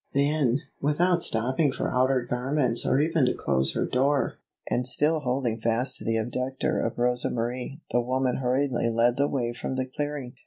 Then, without stopping for outer garments or even to close her door, and still holding fast to the abductor of Rosa Marie, the woman hurriedly led the way from the clearing.